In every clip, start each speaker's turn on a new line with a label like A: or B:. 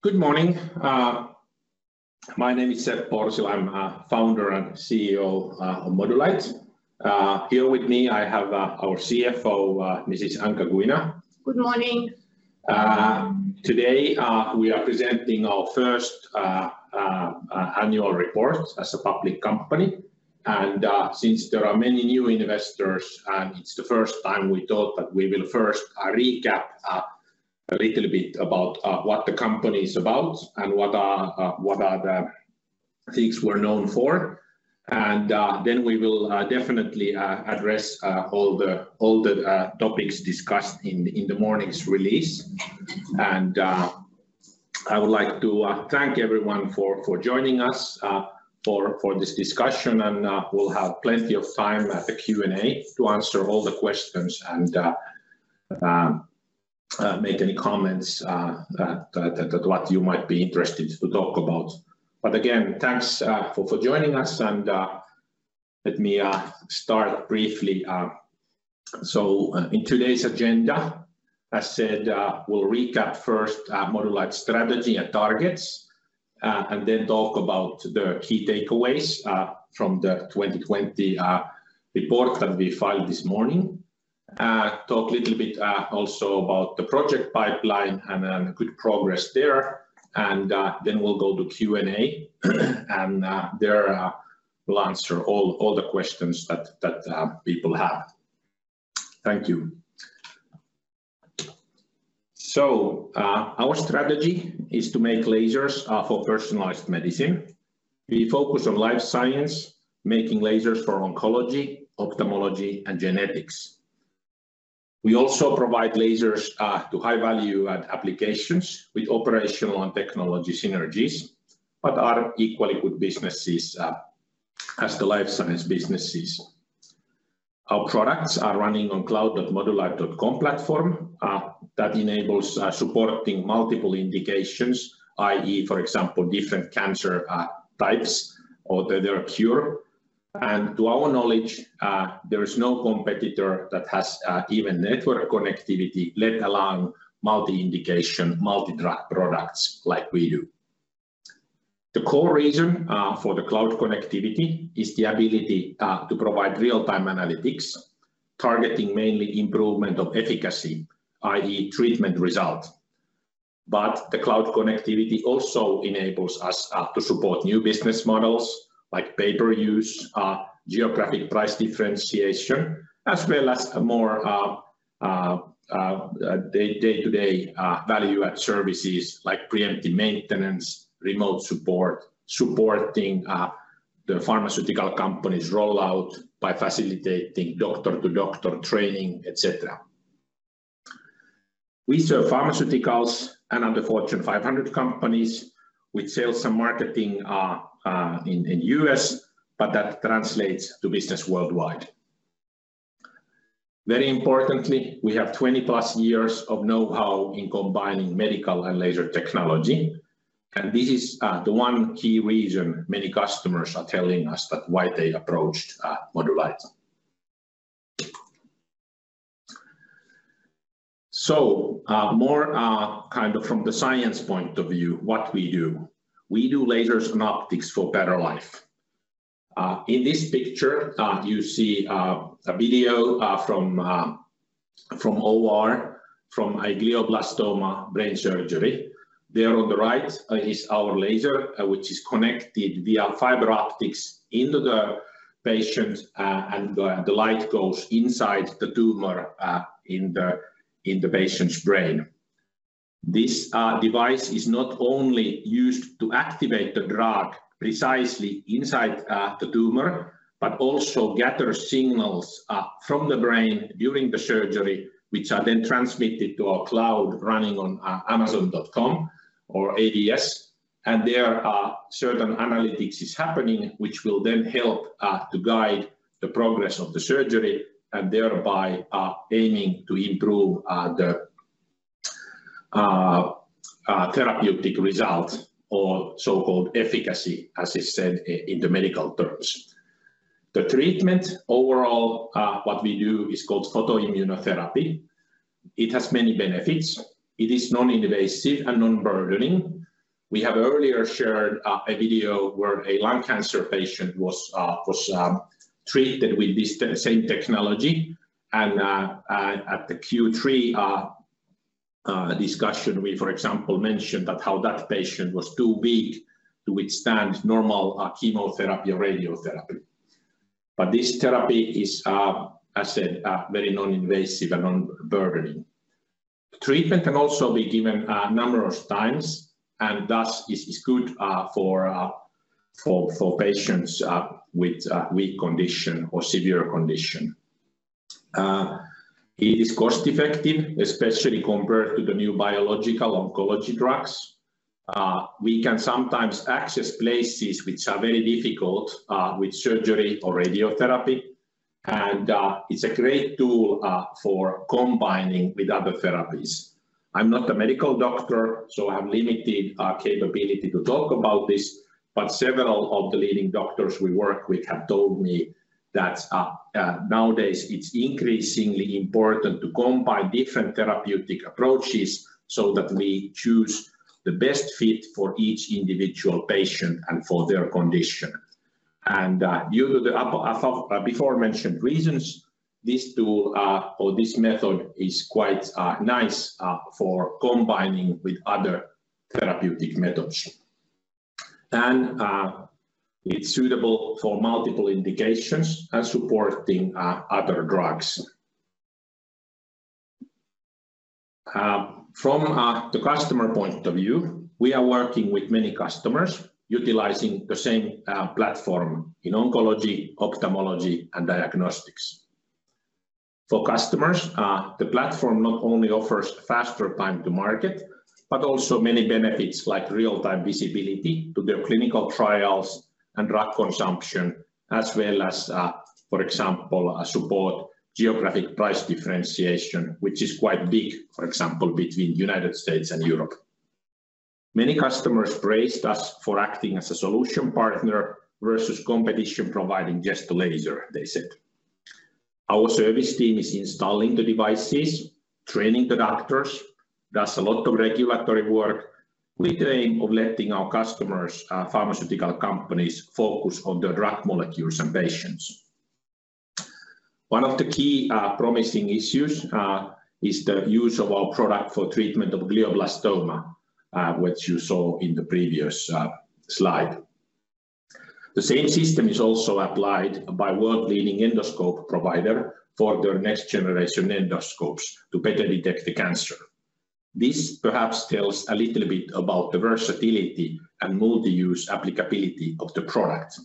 A: Good morning. My name is Seppo Orsila. I'm founder and CEO of Modulight. Here with me I have our CFO, Mrs. Anca Guina.
B: Good morning.
A: Today, we are presenting our first annual report as a public company. Since there are many new investors and it's the first time, we thought that we will first recap a little bit about what the company is about and what are the things we're known for. Then we will definitely address all the topics discussed in the morning's release. I would like to thank everyone for joining us for this discussion and we'll have plenty of time at the Q&A to answer all the questions and make any comments that you might be interested to talk about. Again, thanks for joining us and let me start briefly. In today's agenda, as said, we'll recap first Modulight's strategy and targets, and then talk about the key takeaways from the 2020 report that we filed this morning. Talk a little bit also about the project pipeline and good progress there. Then we'll go to Q&A, and there we'll answer all the questions that people have. Thank you. Our strategy is to make lasers for personalized medicine. We focus on life science, making lasers for oncology, ophthalmology and genetics. We also provide lasers to high value add applications with operational and technology synergies, but are equally good businesses as the life science businesses. Our products are running on cloud.modulight.com platform that enables supporting multiple indications, i.e. For example, different cancer types or their cure. To our knowledge, there is no competitor that has even network connectivity, let alone multi-indication, multi-drug products like we do. The core reason for the cloud connectivity is the ability to provide real-time analytics, targeting mainly improvement of efficacy, i.e. treatment result. The cloud connectivity also enables us to support new business models like pay-per-use, geographic price differentiation, as well as more day-to-day value add services like preemptive maintenance, remote support, supporting the pharmaceutical companies' rollout by facilitating doctor to doctor training, etc. We serve pharmaceuticals and other Fortune 500 companies with sales and marketing in U.S., but that translates to business worldwide. Very importantly, we have 20+ years of know-how in combining medical and laser technology, and this is the one key reason many customers are telling us that's why they approached Modulight. More kind of from the science point of view, what we do. We do lasers and optics for better life. In this picture, you see a video from OR, from a glioblastoma brain surgery. There on the right is our laser, which is connected via fiber optics into the patient, and the light goes inside the tumor in the patient's brain. This device is not only used to activate the drug precisely inside the tumor, but also gather signals from the brain during the surgery, which are then transmitted to our cloud running on amazon.com or AWS. There, certain analytics is happening, which will then help to guide the progress of the surgery and thereby aiming to improve the therapeutic result or so-called efficacy, as is said in the medical terms. The treatment overall, what we do, is called photoimmunotherapy. It has many benefits. It is non-invasive and non-burdening. We have earlier shared a video where a lung cancer patient was treated with this, the same technology. At the Q3 discussion, we for example mentioned that how that patient was too weak to withstand normal chemotherapy or radiotherapy. This therapy is, as said, very non-invasive and non-burdening. Treatment can also be given a number of times, and thus is good for patients with weak condition or severe condition. It is cost-effective, especially compared to the new biological oncology drugs. We can sometimes access places which are very difficult with surgery or radiotherapy. It's a great tool for combining with other therapies. I'm not a medical doctor, so I have limited capability to talk about this, but several of the leading doctors we work with have told me that nowadays it's increasingly important to combine different therapeutic approaches so that we choose the best fit for each individual patient and for their condition. Due to the aforementioned reasons, this tool or this method is quite nice for combining with other therapeutic methods. It's suitable for multiple indications and supporting other drugs. From the customer point of view, we are working with many customers utilizing the same platform in oncology, ophthalmology and diagnostics. For customers, the platform not only offers faster time to market, but also many benefits like real-time visibility to their clinical trials and drug consumption, as well as, for example, support geographic price differentiation, which is quite big, for example, between United States and Europe. Many customers praised us for acting as a solution partner versus competition providing just the laser, they said. Our service team is installing the devices, training the doctors, does a lot of regulatory work with the aim of letting our customers, pharmaceutical companies focus on the drug molecules and patients. One of the key promising issues is the use of our product for treatment of glioblastoma, which you saw in the previous slide. The same system is also applied by world-leading endoscope provider for their next-generation endoscopes to better detect the cancer. This perhaps tells a little bit about the versatility and multi-use applicability of the product.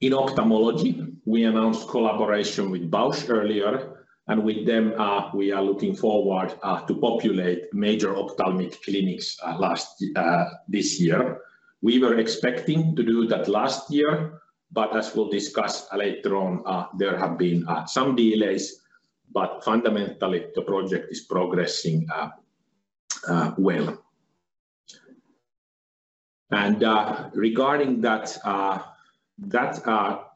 A: In ophthalmology, we announced collaboration with Bausch + Lomb earlier, and with them, we are looking forward to populate major ophthalmic clinics later this year. We were expecting to do that last year, but as we'll discuss later on, there have been some delays, but fundamentally, the project is progressing well. Regarding that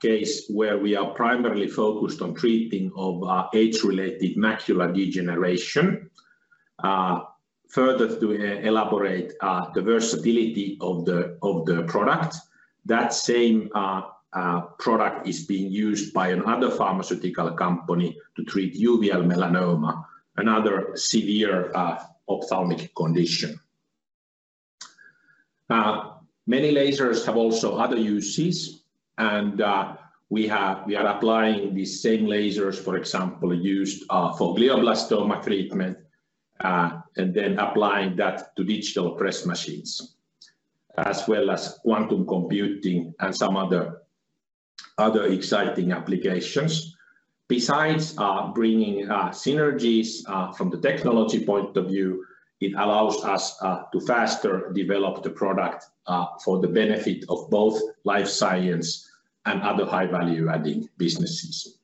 A: case where we are primarily focused on treating of age-related macular degeneration, further to elaborate the versatility of the product, that same product is being used by another pharmaceutical company to treat uveal melanoma, another severe ophthalmic condition. Many lasers have also other uses, and we are applying these same lasers, for example used for glioblastoma treatment, and then applying that to digital press machines, as well as quantum computing and some other exciting applications. Besides bringing synergies from the technology point of view, it allows us to faster develop the product for the benefit of both life science and other high-value-adding businesses.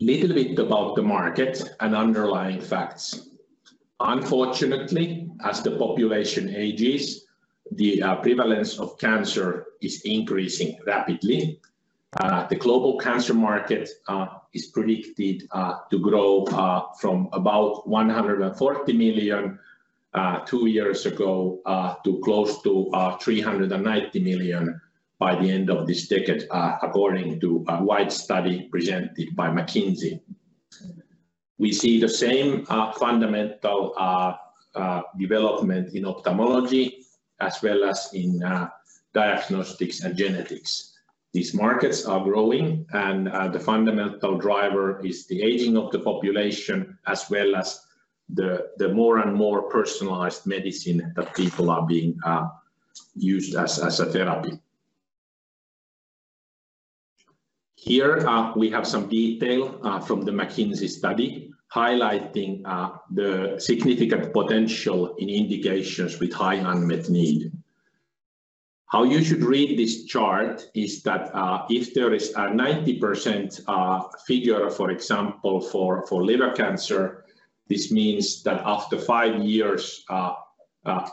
A: Little bit about the market and underlying facts. Unfortunately, as the population ages, the prevalence of cancer is increasing rapidly. The global cancer market is predicted to grow from about 140 million two years ago to close to 390 million by the end of this decade according to a wide study presented by McKinsey. We see the same fundamental development in ophthalmology as well as in diagnostics and genetics. These markets are growing and the fundamental driver is the aging of the population, as well as the more and more personalized medicine that people are being used as a therapy. Here, we have some detail from the McKinsey study highlighting the significant potential in indications with high unmet need. How you should read this chart is that if there is a 90% figure, for example, for liver cancer, this means that after five years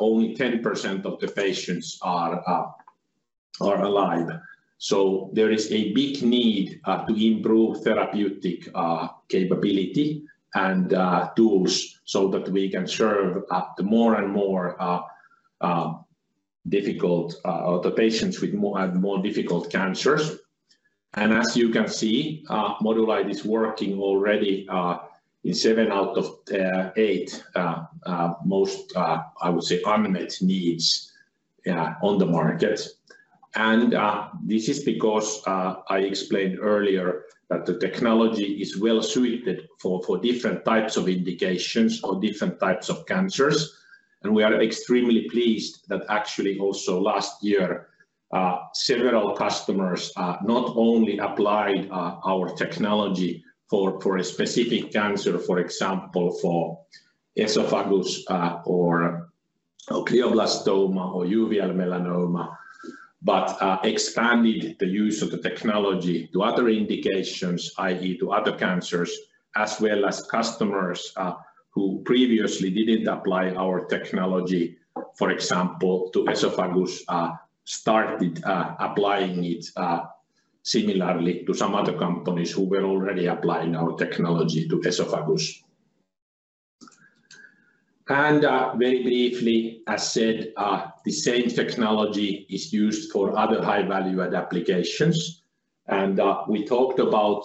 A: only 10% of the patients are alive. There is a big need to improve therapeutic capability and tools so that we can serve the more and more difficult patients with more and more difficult cancers. As you can see, Modulight is working already in seven out of eight most unmet needs on the market. This is because I explained earlier that the technology is well suited for different types of indications or different types of cancers. We are extremely pleased that actually also last year several customers not only applied our technology for a specific cancer, for example, for esophagus or glioblastoma or uveal melanoma, but expanded the use of the technology to other indications, i.e. to other cancers, as well as customers who previously didn't apply our technology, for example, to esophagus, started applying it similarly to some other companies who were already applying our technology to esophagus. Very briefly, as said, the same technology is used for other high-value-add applications. We talked about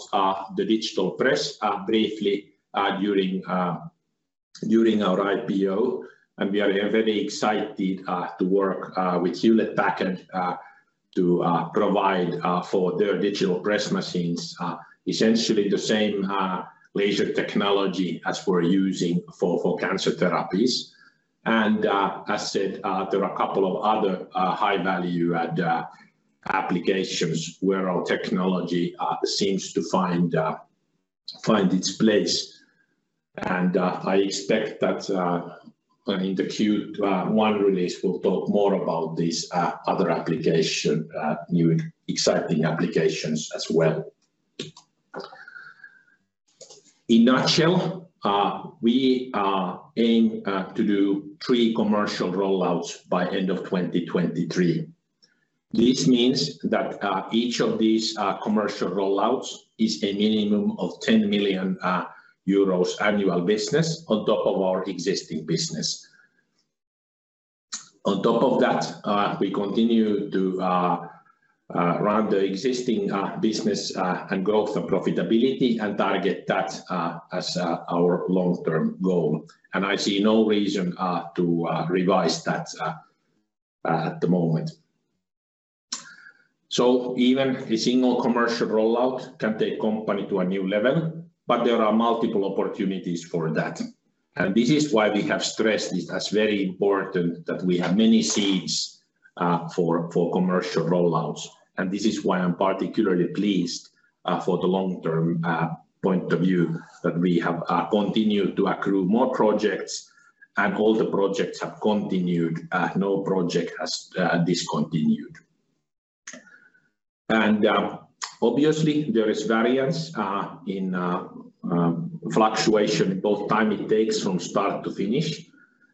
A: the digital press briefly during our IPO. We are very excited to work with Hewlett-Packard to provide for their digital press machines essentially the same laser technology as we're using for cancer therapies. As said, there are a couple of other high-value-add applications where our technology seems to find its place. I expect that, I mean, in the Q1 release we'll talk more about these other new exciting applications as well. In a nutshell, we aim to do three commercial rollouts by end of 2023. This means that each of these commercial rollouts is a minimum of 10 million euros annual business on top of our existing business. On top of that, we continue to run the existing business and growth and profitability and target that as our long-term goal. I see no reason to revise that at the moment. Even a single commercial rollout can take company to a new level, but there are multiple opportunities for that. This is why we have stressed this as very important that we have many seeds for commercial rollouts. This is why I'm particularly pleased for the long term point of view that we have continued to accrue more projects and all the projects have continued. No project has discontinued. Obviously there is variance in fluctuation both time it takes from start to finish,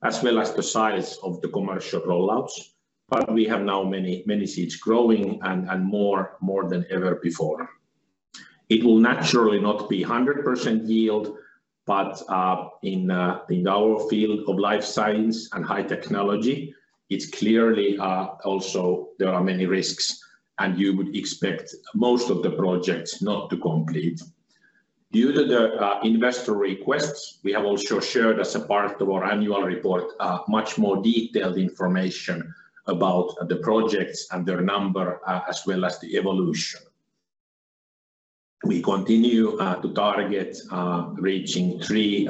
A: as well as the size of the commercial rollouts. We have now many seeds growing and more than ever before. It will naturally not be 100% yield, but in our field of life science and high technology, it's clearly also there are many risks, and you would expect most of the projects not to complete. Due to the investor requests, we have also shared as a part of our annual report much more detailed information about the projects and their number, as well as the evolution. We continue to target reaching three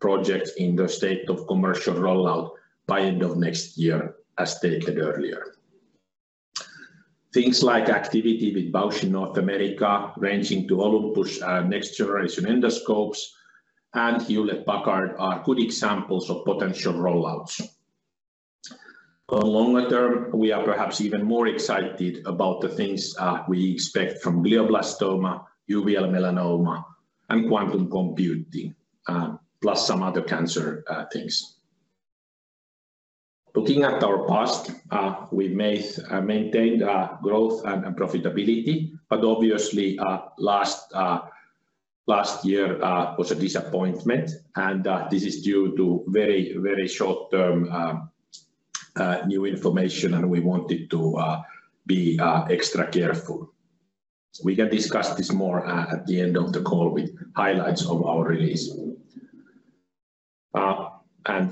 A: projects in the state of commercial rollout by end of next year, as stated earlier. Things like activity with Bausch + Lomb in North America ranging to Olympus, next generation endoscopes and Hewlett-Packard are good examples of potential rollouts. On longer term, we are perhaps even more excited about the things we expect from glioblastoma, uveal melanoma and quantum computing, plus some other cancer things. Looking at our past, we maintained growth and profitability, but obviously, last year was a disappointment. This is due to very short-term new information and we wanted to be extra careful. We can discuss this more at the end of the call with highlights of our release.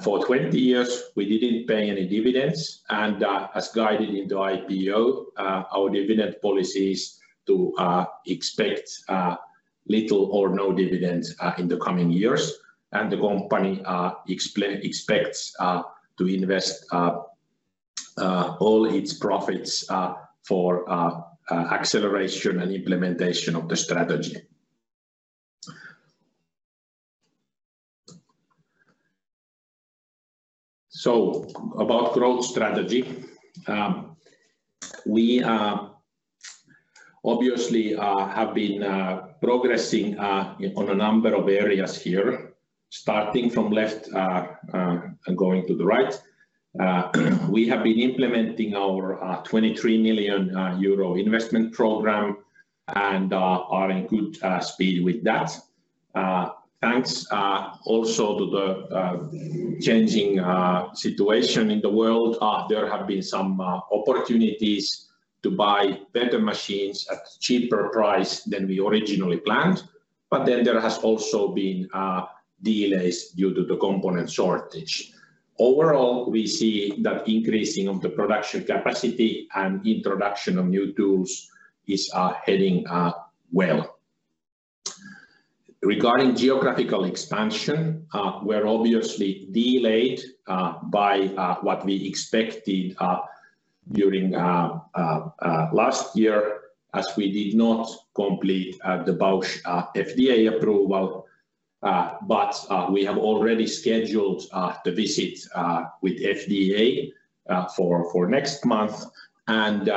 A: For 20 years we didn't pay any dividends and, as guided into IPO, our dividend policy is to expect little or no dividends in the coming years. The company expects to invest all its profits for acceleration and implementation of the strategy. About growth strategy, we obviously have been progressing on a number of areas here, starting from left and going to the right. We have been implementing our 23 million euro investment program and are in good speed with that. Thanks also to the changing situation in the world. There have been some opportunities to buy better machines at cheaper price than we originally planned, but then there has also been delays due to the component shortage. Overall, we see that increasing of the production capacity and introduction of new tools is heading well. Regarding geographical expansion, we're obviously delayed by what we expected during last year as we did not complete the Bausch + Lomb FDA approval. We have already scheduled the visit with FDA for next month and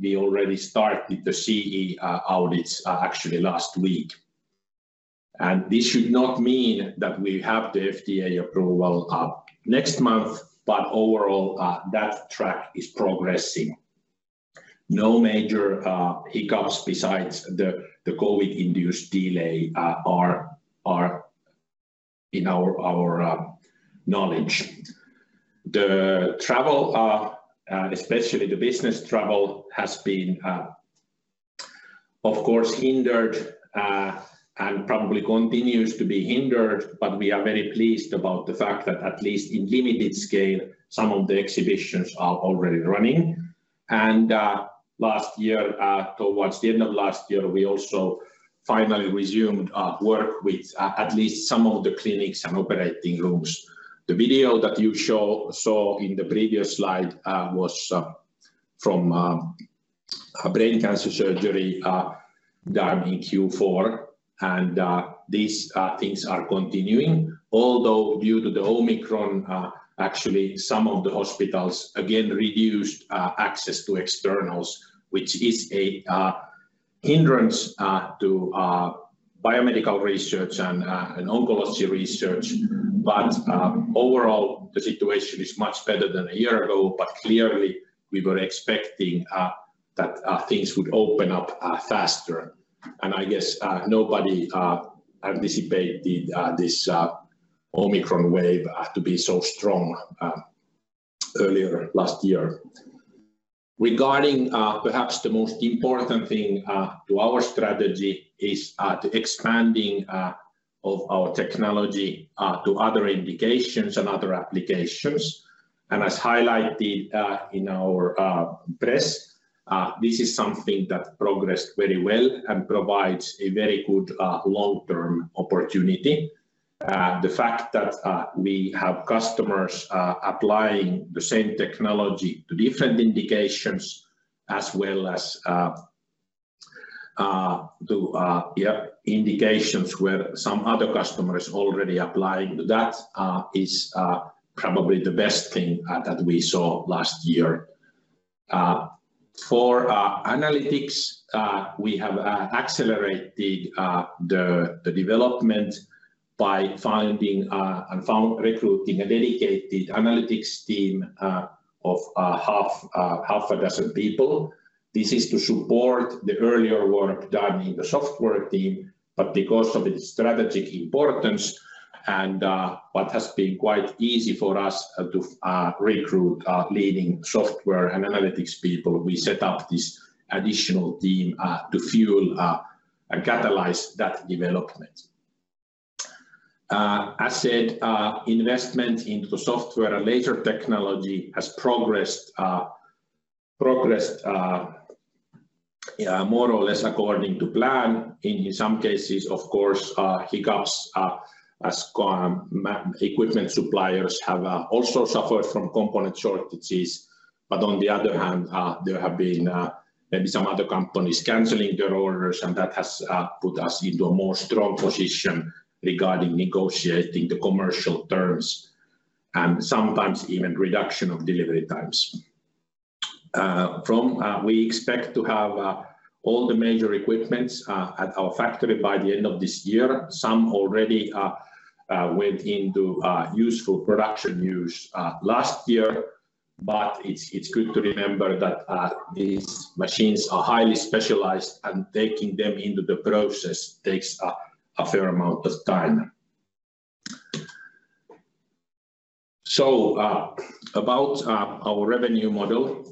A: we already start with the CE audits actually last week. This should not mean that we have the FDA approval next month, but overall that track is progressing. No major hiccups besides the COVID-induced delay are in our knowledge. The travel, especially the business travel has been, of course hindered, and probably continues to be hindered, but we are very pleased about the fact that at least in limited scale some of the exhibitions are already running. Last year, towards the end of last year, we also finally resumed work with at least some of the clinics and operating rooms. The video that you saw in the previous slide was from a brain cancer surgery done in Q4 and these things are continuing. Although due to the Omicron, actually some of the hospitals again reduced access to externals, which is a hindrance to biomedical research and oncology research. Overall the situation is much better than a year ago. Clearly we were expecting that things would open up faster. I guess nobody anticipated this Omicron wave to be so strong earlier last year. Regarding perhaps the most important thing to our strategy is the expanding of our technology to other indications and other applications. As highlighted in our press this is something that progressed very well and provides a very good long-term opportunity. The fact that we have customers applying the same technology to different indications as well as to indications where some other customers already applying to that is probably the best thing that we saw last year. For analytics, we have accelerated the development by recruiting a dedicated analytics team of half a dozen people. This is to support the earlier work done in the software team, but because of its strategic importance and what has been quite easy for us to recruit leading software and analytics people, we set up this additional team to fuel and catalyze that development. As said, investment into software and laser technology has progressed more or less according to plan. In some cases, of course, hiccups, as equipment suppliers have also suffered from component shortages. On the other hand, there have been maybe some other companies canceling their orders and that has put us into a more strong position regarding negotiating the commercial terms and sometimes even reduction of delivery times. We expect to have all the major equipment at our factory by the end of this year. Some already went into useful production use last year, but it's good to remember that these machines are highly specialized and taking them into the process takes a fair amount of time. About our revenue model,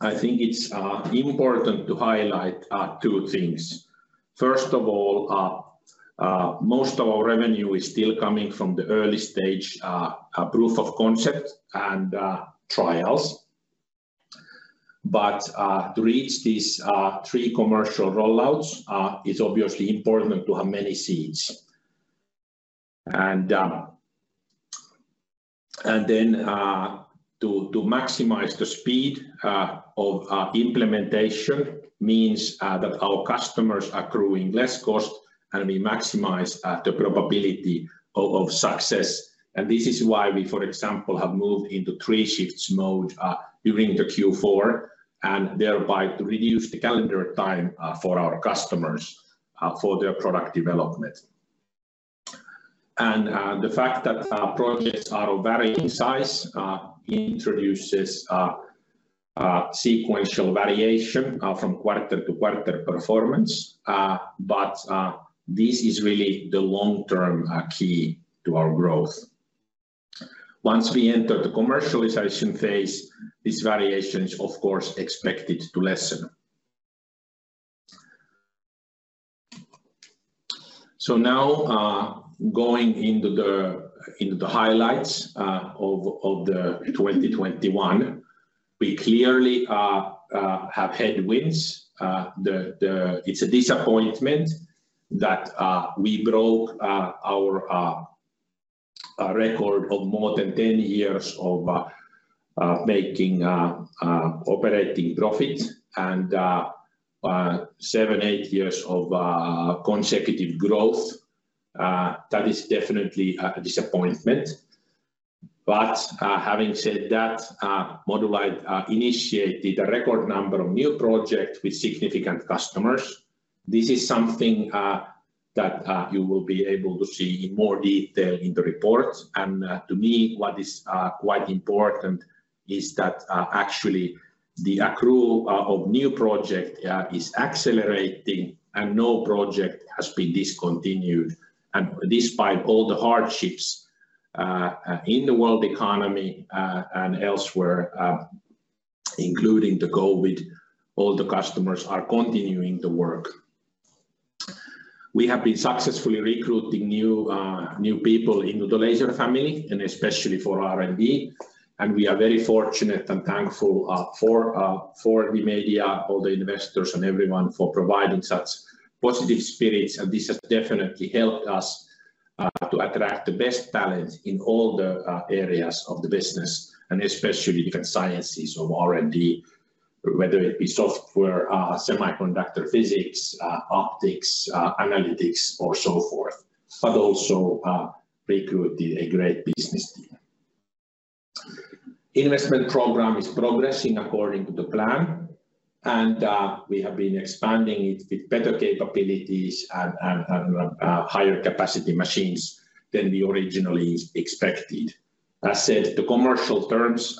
A: I think it's important to highlight two things. First of all, most of our revenue is still coming from the early stage proof of concept and trials. To reach these three commercial rollouts is obviously important to have many seeds. To maximize the speed of implementation means that our customers are accruing less cost, and we maximize the probability of success. This is why we, for example, have moved into three shifts mode during the Q4, and thereby to reduce the calendar time for our customers for their product development. The fact that projects are of varying size introduces seasonal variation from quarter to quarter performance. This is really the long-term key to our growth. Once we enter the commercialization phase, this variation is, of course, expected to lessen. Now going into the highlights of 2021, we clearly have headwinds. It's a disappointment that we broke our record of more than 10 years of making operating profit and seven or eight years of consecutive growth. That is definitely a disappointment. Having said that, Modulight initiated a record number of new projects with significant customers. This is something that you will be able to see in more detail in the report. To me, what is quite important is that actually the accrual of new projects is accelerating and no project has been discontinued. Despite all the hardships in the world economy and elsewhere, including the COVID, all the customers are continuing the work. We have been successfully recruiting new people in the laser family, and especially for R&D. We are very fortunate and thankful for the media, all the investors, and everyone for providing such positive spirits. This has definitely helped us to attract the best talent in all the areas of the business, and especially different sciences of R&D, whether it be software, semiconductor physics, optics, analytics or so forth. But also recruiting a great business team. Investment program is progressing according to the plan, and we have been expanding it with better capabilities and higher capacity machines than we originally expected. As said, the commercial terms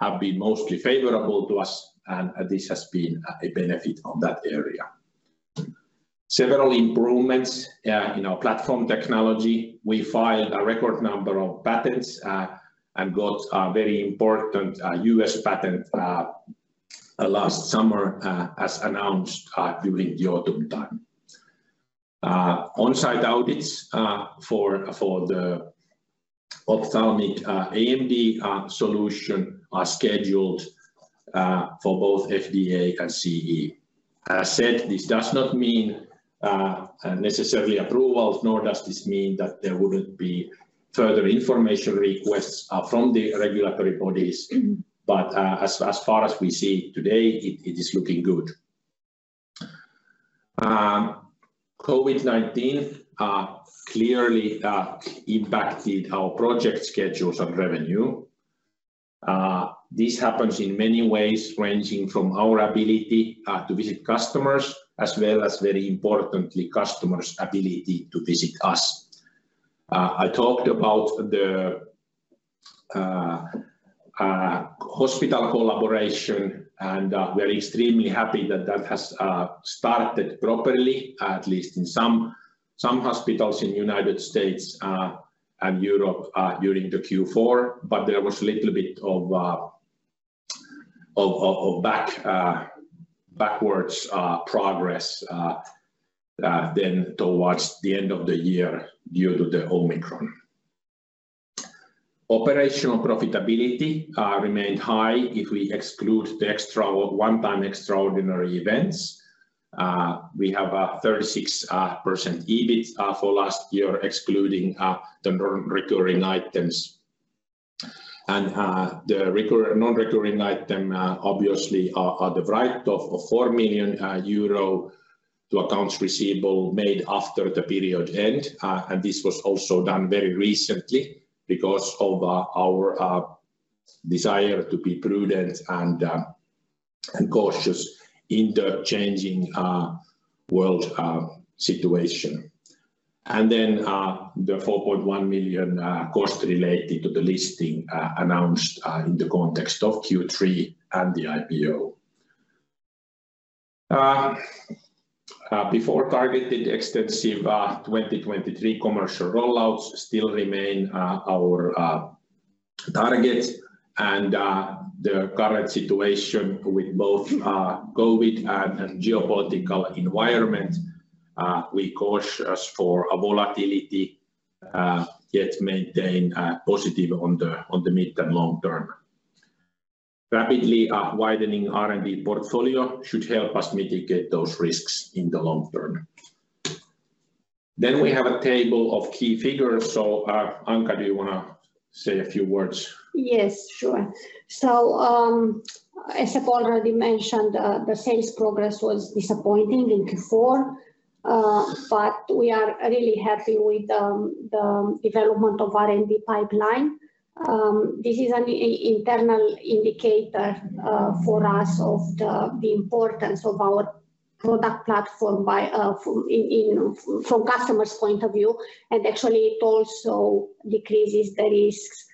A: have been mostly favorable to us, and this has been a benefit on that area. Several improvements in our platform technology. We filed a record number of patents and got a very important U.S. patent last summer as announced during the autumn time. On-site audits for the ophthalmic AMD solution are scheduled for both FDA and CE. As said, this does not mean necessarily approvals, nor does this mean that there wouldn't be further information requests from the regulatory bodies. As far as we see today, it is looking good. COVID-19 clearly impacted our project schedules and revenue. This happens in many ways, ranging from our ability to visit customers, as well as very importantly, customers' ability to visit us. I talked about the hospital collaboration, and we're extremely happy that has started properly, at least in some hospitals in United States and Europe during the Q4. There was little bit of backward progress then towards the end of the year due to the Omicron. Operational profitability remained high if we exclude the extraordinary one-time events. We have a 36% EBIT for last year, excluding the non-recurring items. The non-recurring item obviously is the write-off of 4 million euro to accounts receivable made after the period end. This was also done very recently because of our desire to be prudent and cautious in the changing world situation. The 4.1 million cost related to the listing announced in the context of Q3 and the IPO. Our targeted extensive 2023 commercial rollouts still remain our targets. The current situation with both COVID and geopolitical environment cautions us of volatility, yet maintain positive on the mid- to long-term. Rapidly widening R&D portfolio should help us mitigate those risks in the long term. We have a table of key figures. Anca, do you wanna say a few words?
B: Yes, sure. As I've already mentioned, the sales progress was disappointing in Q4. We are really happy with the development of R&D pipeline. This is an internal indicator for us of the importance of our product platform from customers' point of view. Actually, it also decreases the risks,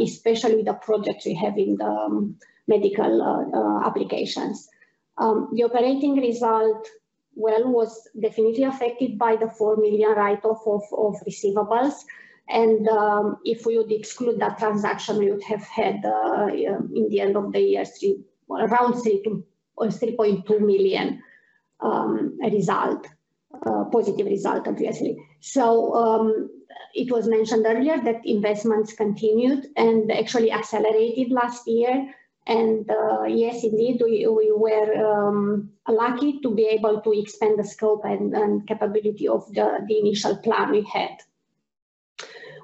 B: especially the projects we have in the medical applications. The operating result, well, was definitely affected by the 4 million write-off of receivables. If we would exclude that transaction, we would have had, yeah, in the end of the year, around 3 million or 3.2 million result. Positive result, obviously. It was mentioned earlier that investments continued and actually accelerated last year. Yes, indeed, we were lucky to be able to expand the scope and capability of the initial plan we had.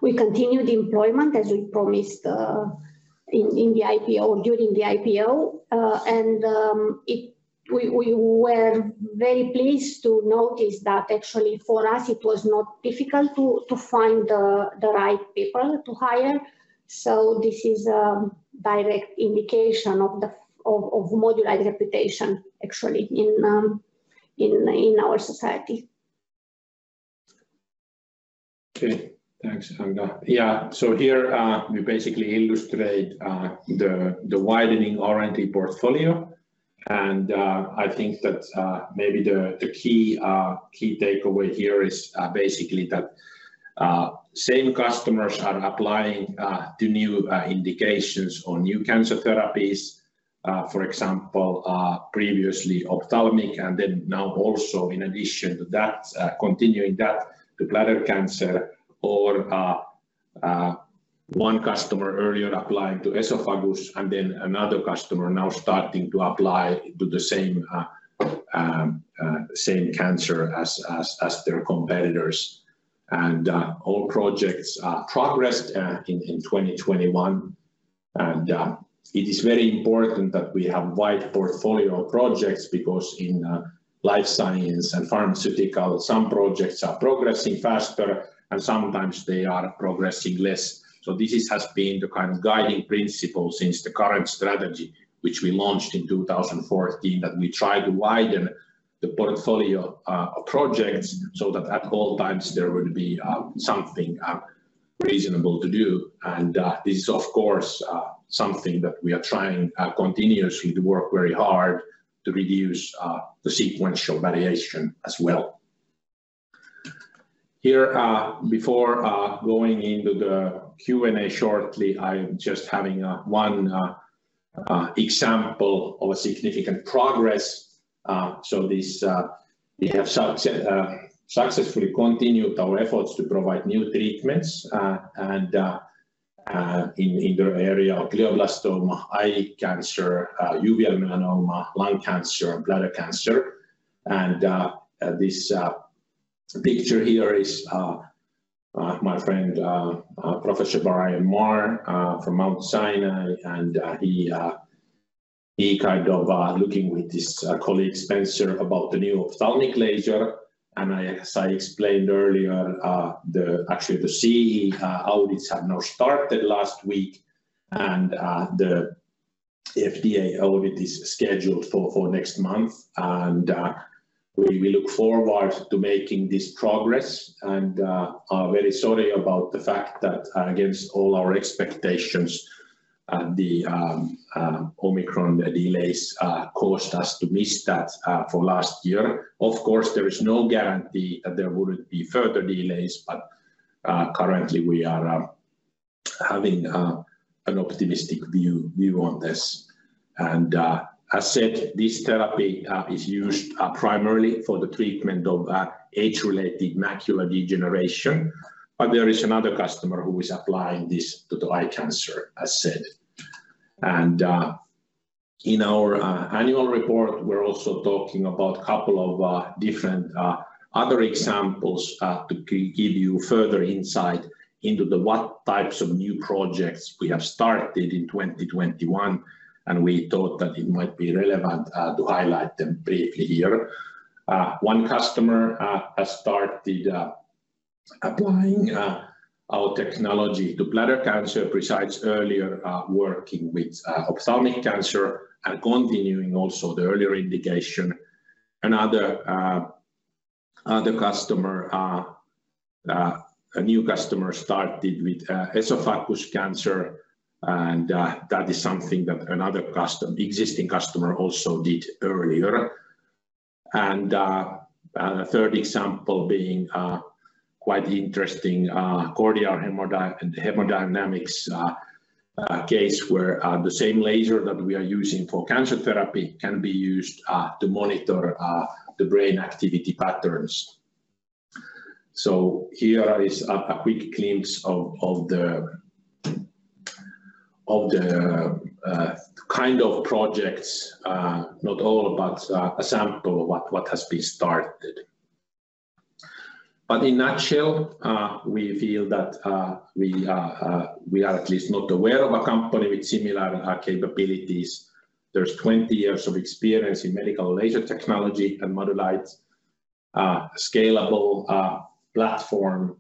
B: We continued employment as we promised in the IPO, during the IPO. We were very pleased to notice that actually for us it was not difficult to find the right people to hire. This is a direct indication of Modulight reputation actually in our society.
A: Okay. Thanks, Anca Guina. Yeah. Here, we basically illustrate the widening R&D portfolio, and I think that maybe the key takeaway here is basically that same customers are applying to new indications or new cancer therapies. For example, previously ophthalmic and then now also in addition to that, continuing that to bladder cancer or one customer earlier applying to esophagus and then another customer now starting to apply to the same cancer as their competitors. All projects progressed in 2021. It is very important that we have wide portfolio of projects because in life science and pharmaceutical, some projects are progressing faster and sometimes they are progressing less. This has been the kind of guiding principle since the current strategy, which we launched in 2014, that we try to widen the portfolio of projects so that at all times there would be something reasonable to do. This is of course something that we are trying continuously to work very hard to reduce the sequential variation as well. Here, before going into the Q&A shortly, I'm just having one example of a significant progress. We have successfully continued our efforts to provide new treatments and in the area of glioblastoma, eye cancer, uveal melanoma, lung cancer, bladder cancer. This picture here is my friend Professor Brian Marr from Mount Sinai, and he kind of looking with his colleague Spencer about the new ophthalmic laser. As I explained earlier, actually the CE audits have now started last week, and the FDA audit is scheduled for next month. We look forward to making this progress and are very sorry about the fact that, against all our expectations, the Omicron delays caused us to miss that for last year. Of course, there is no guarantee that there wouldn't be further delays, but currently we are having an optimistic view on this. As said, this therapy is used primarily for the treatment of age-related macular degeneration. There is another customer who is applying this to the eye cancer, as said. In our annual report, we're also talking about a couple of different other examples to give you further insight into what types of new projects we have started in 2021, and we thought that it might be relevant to highlight them briefly here. One customer has started applying our technology to bladder cancer besides earlier working with ophthalmic cancer and continuing also the earlier indication. Another customer, a new customer started with esophagus cancer, and that is something that another existing customer also did earlier. A third example being quite interesting, cortical hemodynamics case where the same laser that we are using for cancer therapy can be used to monitor the brain activity patterns. Here is a quick glimpse of the kind of projects, not all, but a sample of what has been started. In a nutshell, we feel that we are at least not aware of a company with similar capabilities. There's 20 years of experience in medical laser technology and Modulight, scalable platform,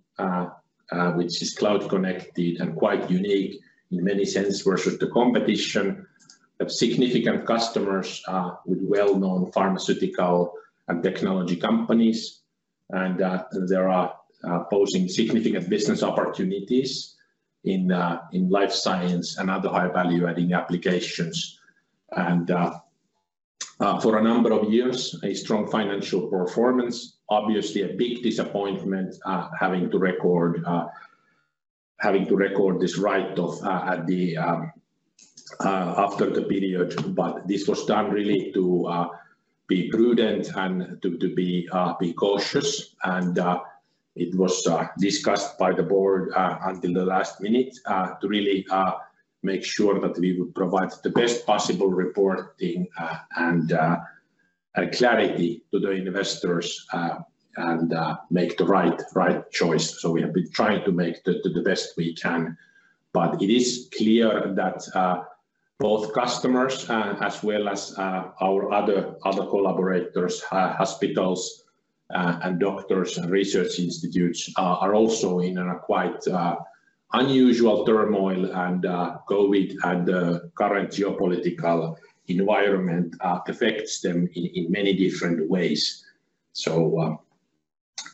A: which is cloud connected and quite unique in many senses versus the competition. Have significant customers with well-known pharmaceutical and technology companies, and they pose significant business opportunities in life science and other high value adding applications. For a number of years a strong financial performance, obviously a big disappointment having to record this write-off at the end after the period. This was done really to be prudent and to be cautious. It was discussed by the board until the last minute to really make sure that we would provide the best possible reporting and clarity to the investors and make the right choice. We have been trying to make the best we can. It is clear that both customers as well as our other collaborators, hospitals and doctors and research institutes are also in a quite unusual turmoil, and COVID and the current geopolitical environment affects them in many different ways. The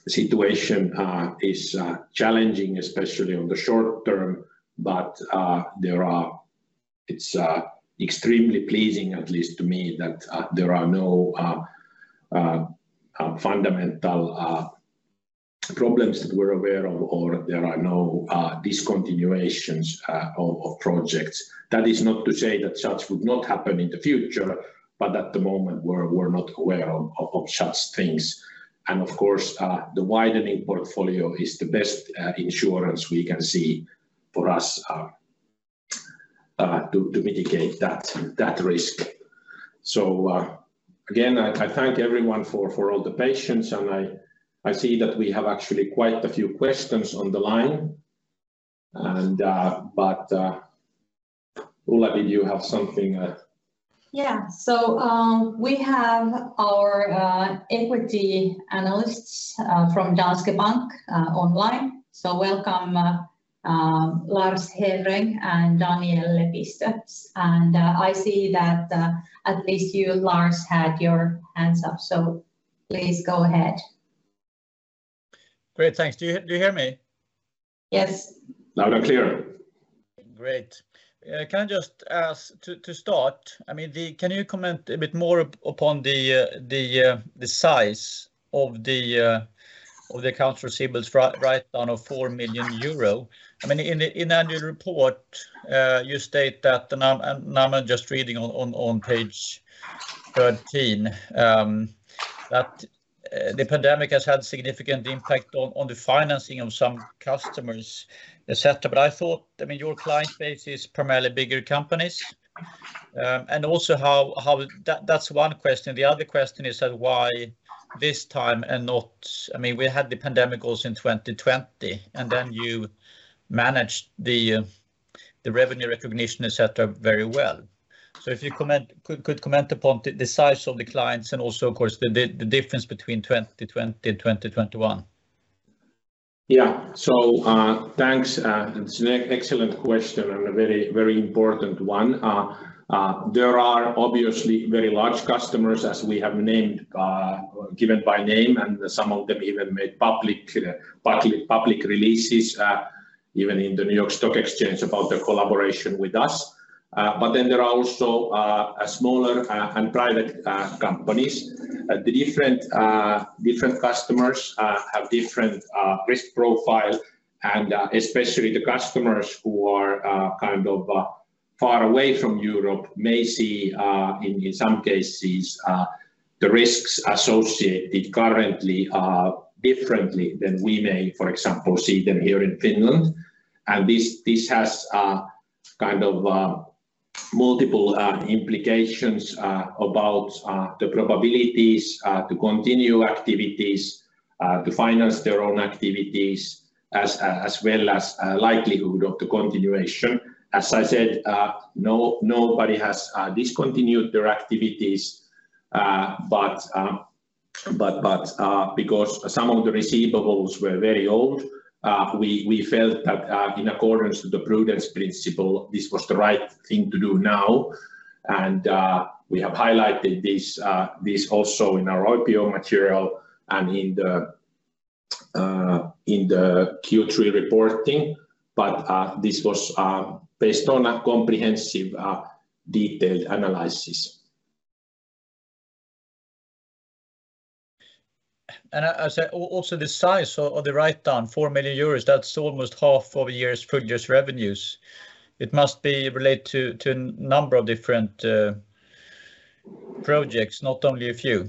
A: situation is challenging especially on the short term, but it is extremely pleasing, at least to me, that there are no fundamental problems that we're aware of or there are no discontinuations of projects. That is not to say that such would not happen in the future, but at the moment we're not aware of such things. Of course, the widening portfolio is the best insurance we can see for us to mitigate that risk. Again, I thank everyone for all the patience, and I see that we have actually quite a few questions on the line, Ulla, did you have something?
C: We have our equity analysts from Danske Bank online, so welcome Lars Hevreng and Daniel Lepistö. I see that at least you, Lars, had your hands up, so please go ahead.
D: Great. Thanks. Do you hear me?
C: Yes.
A: Loud and clear.
D: Great. Yeah, can I just ask to start, I mean. Can you comment a bit more upon the size of the accounts receivables write-down of 4 million euro? I mean, in the annual report, you state that, and now I'm just reading on page 13, that the pandemic has had significant impact on the financing of some customers, et cetera, but I thought, I mean, your client base is primarily bigger companies. And also how. That's one question. The other question is that why this time and not. I mean, we had the pandemic also in 2020, and then you managed the revenue recognition, et cetera, very well. If you comment. Could comment upon the size of the clients and also of course the difference between 2020 and 2021.
A: Yeah. Thanks. It's an excellent question and a very important one. There are obviously very large customers, as we have named, given by name, and some of them even made public releases, even in the New York Stock Exchange about their collaboration with us. There are also a smaller and private companies. The different customers have different risk profile, and especially the customers who are kind of far away from Europe may see, in some cases, the risks associated currently differently than we may, for example, see them here in Finland. This has multiple implications about the probabilities to continue activities to finance their own activities, as well as likelihood of the continuation. As I said, nobody has discontinued their activities, but because some of the receivables were very old, we felt that in accordance to the prudence principle, this was the right thing to do now, and we have highlighted this also in our IPO material and in the Q3 reporting, but this was based on a comprehensive detailed analysis.
D: I say also the size of the write-down, 4 million euros, that's almost half of a full year's revenues. It must be related to a number of different projects, not only a few.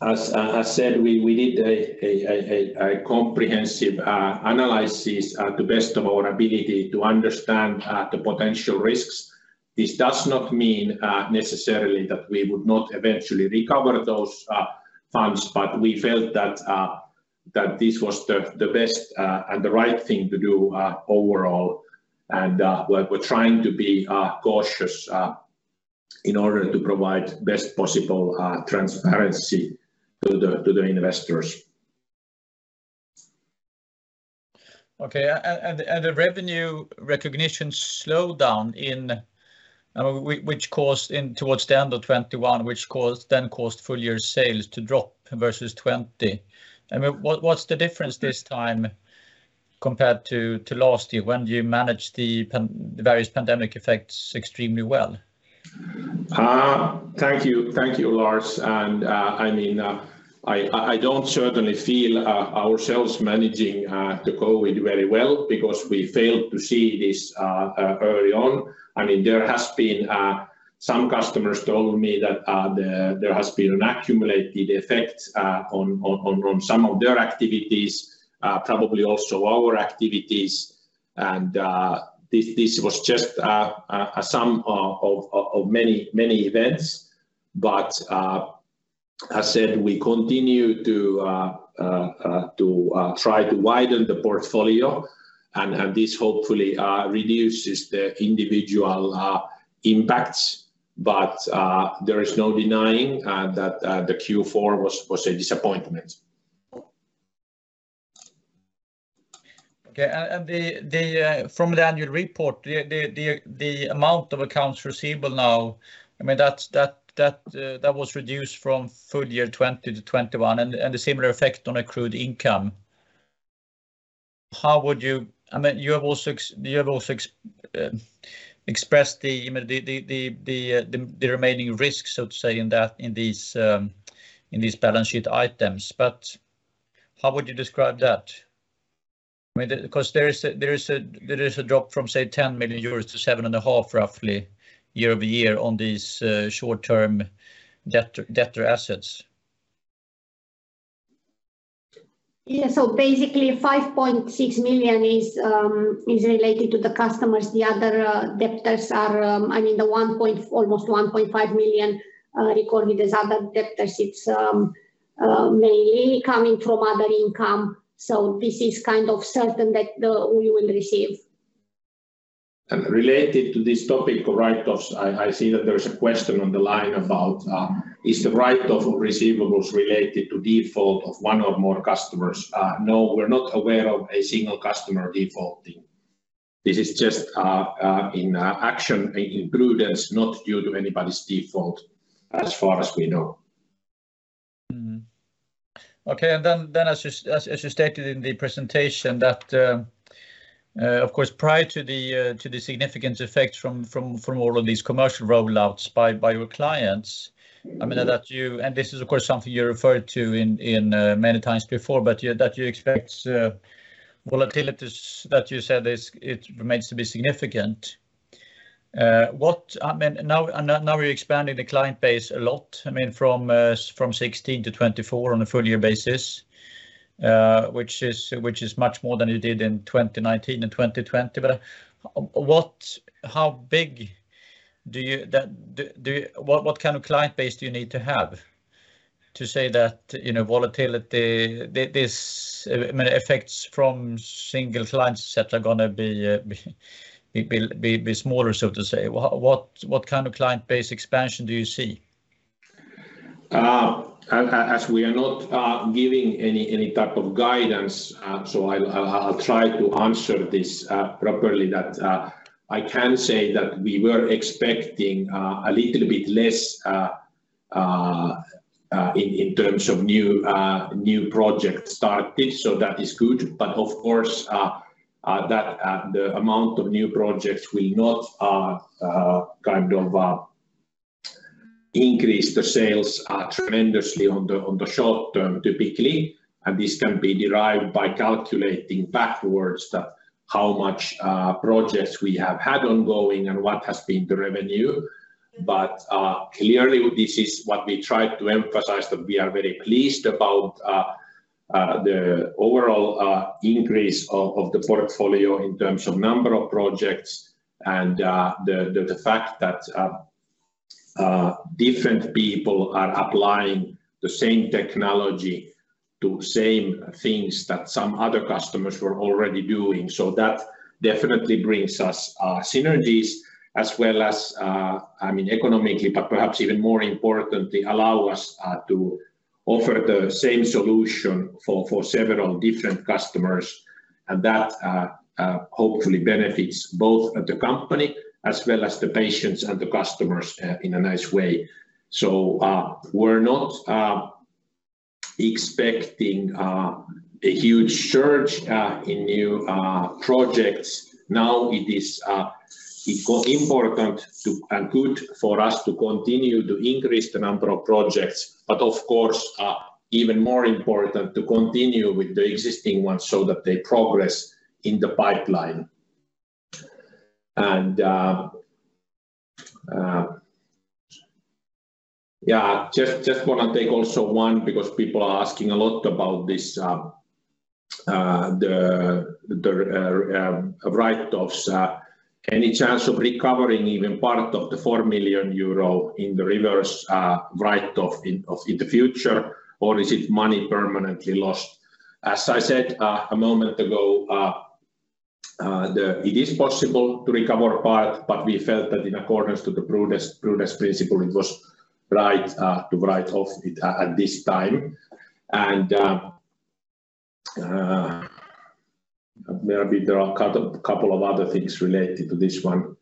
A: As I said, we did a comprehensive analysis at the best of our ability to understand the potential risks. This does not mean necessarily that we would not eventually recover those funds, but we felt that this was the best and the right thing to do overall. We're trying to be cautious in order to provide best possible transparency to the investors.
D: Okay. The revenue recognition slowdown, I mean, which caused towards the end of 2021 full year sales to drop versus 2020. I mean, what's the difference this time compared to last year when you managed the various pandemic effects extremely well?
A: Thank you. Thank you, Lars. I mean, I don't certainly feel ourselves managing the COVID very well because we failed to see this early on. I mean, some customers told me that there has been an accumulated effect on some of their activities, probably also our activities, and this was just a sum of many events. As said, we continue to try to widen the portfolio and this hopefully reduces the individual impacts. There is no denying that the Q4 was a disappointment.
D: From the annual report, the amount of accounts receivable now, I mean, that was reduced from full year 2020 to 2021 and a similar effect on accrued income. I mean, you have also expressed the, you know, the remaining risks, so to say, in these balance sheet items. How would you describe that? I mean, 'cause there is a drop from, say, 10 million-7.5 million euros roughly year-over-year on these short-term debtor assets.
B: Yeah. Basically 5.6 million is related to the customers. The other debtors are, I mean, almost 1.5 million recorded as other debtors. It's mainly coming from other income. This is kind of certain that we will receive.
A: Related to this topic of write-offs, I see that there's a question on the line about is the write-off of receivables related to default of one or more customers? No, we're not aware of a single customer defaulting. This is just in anticipation and in prudence, not due to anybody's default as far as we know.
D: Okay. As you stated in the presentation that, of course, prior to the significant effects from all of these commercial rollouts by your clients-
A: Mm-hmm
D: I mean, that you—this is of course something you referred to in many times before, but yeah, that you expect volatilities that you said, it remains to be significant. What—I mean, now you're expanding the client base a lot, I mean, from 16-24 on a full year basis, which is much more than you did in 2019 and 2020. What—how big do you—that—do—what kind of client base do you need to have to say that, you know, volatility, this—I mean, effects from single clients that are gonna be smaller so to say. What kind of client base expansion do you see?
A: As we are not giving any type of guidance, I'll try to answer this properly. That I can say that we were expecting a little bit less in terms of new projects started, so that is good. Of course, the amount of new projects will not kind of increase the sales tremendously in the short term typically. This can be derived by calculating backwards how many projects we have had ongoing and what has been the revenue. Clearly this is what we try to emphasize, that we are very pleased about the overall increase of the portfolio in terms of number of projects and the fact that different people are applying the same technology to same things that some other customers were already doing. That definitely brings us synergies as well as, I mean, economically, but perhaps even more importantly allow us to offer the same solution for several different customers. That hopefully benefits both the company as well as the patients and the customers in a nice way. We're not expecting a huge surge in new projects. Now it is it important and good for us to continue to increase the number of projects, but of course, even more important to continue with the existing ones so that they progress in the pipeline. Yeah. Just wanna take also one because people are asking a lot about this, the write-offs. Any chance of recovering even part of the 4 million euro in the reversal of the write-off in the future, or is it money permanently lost? As I said a moment ago, it is possible to recover a part, but we felt that in accordance to the prudence principle, it was right to write it off at this time. Maybe there are a couple of other things related to this one.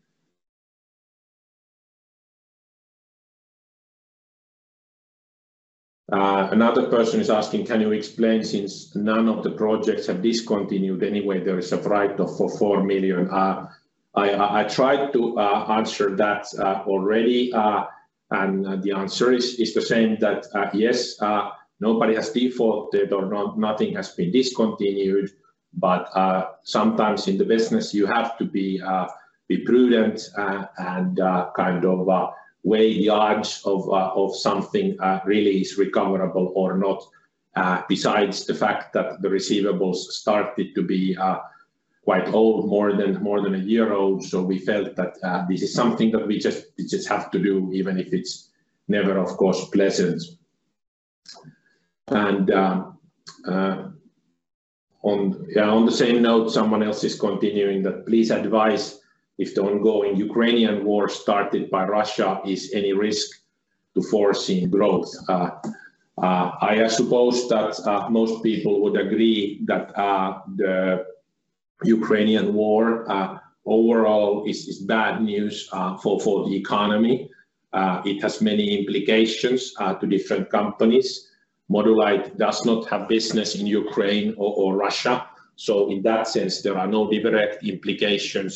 A: Another person is asking, can you explain, since none of the projects have discontinued anyway, there is a write-off of 4 million? I tried to answer that already. The answer is the same, that yes, nobody has defaulted or nothing has been discontinued, but sometimes in the business you have to be prudent and kind of weigh the odds of something really is recoverable or not, besides the fact that the receivables started to be quite old, more than a year old, so we felt that this is something that we just have to do even if it's never, of course, pleasant. On the same note, someone else is continuing that, "Please advise if the ongoing Ukrainian war started by Russia is any risk to foreseen growth." I suppose that most people would agree that the Ukrainian war overall is bad news for the economy. It has many implications to different companies. Modulight does not have business in Ukraine or Russia, so in that sense, there are no direct implications.